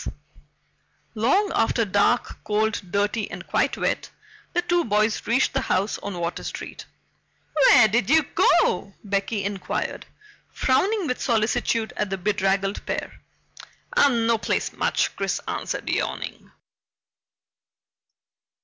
Long after dark, cold, dirty, and quite wet, the two boys reached the house on Water Street. "Where did you go?" Becky inquired, frowning with solicitude at the bedraggled pair. "Oh, no place much," Chris answered, yawning.